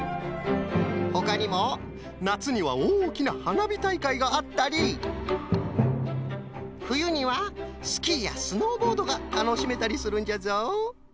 ほかにもなつにはおおきなはなびたいかいがあったりふゆにはスキーやスノーボードがたのしめたりするんじゃぞ。